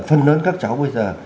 phân lớn các cháu bây giờ